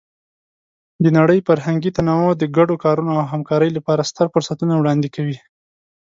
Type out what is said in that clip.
د نړۍ فرهنګي تنوع د ګډو کارونو او همکارۍ لپاره ستر فرصتونه وړاندې کوي.